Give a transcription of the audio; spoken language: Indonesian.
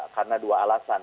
karena dua alasan